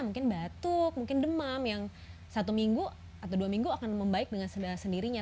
mungkin batuk mungkin demam yang satu minggu atau dua minggu akan membaik dengan sendirinya